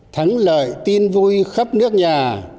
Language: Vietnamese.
thắng lợi tin vui khắp nước nhà